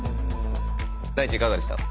大馳いかがでした？